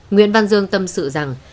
nguyễn văn dương tâm sự rằng